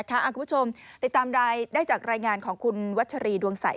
กลับไปตามได้จากรายงานของวัชย์วัดชะรีดวงสัย